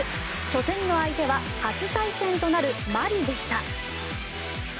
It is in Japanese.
初戦の相手は初対戦となるマリでした。